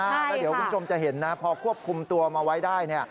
แล้วเดี๋ยวคุณผู้ชมจะเห็นนะพอควบคุมตัวมาไว้ได้